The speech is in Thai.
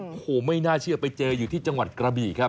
โอ้โหไม่น่าเชื่อไปเจออยู่ที่จังหวัดกระบี่ครับ